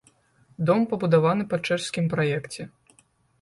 Дом пабудаваны па чэшскім праекце.